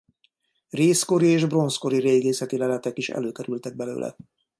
Rézkori és bronzkori régészeti leletek is előkerültek belőle.